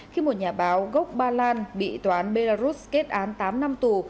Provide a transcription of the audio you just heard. khi một nhà báo gốc ba lan bị toán belarus kết án tám năm tù